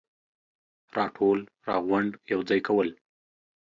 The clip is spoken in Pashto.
راټول ، راغونډ ، يوځاي کول,